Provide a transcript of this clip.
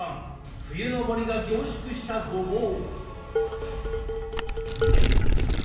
冬の森が凝縮したごぼう。